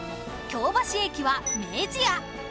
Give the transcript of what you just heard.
京橋駅は明治屋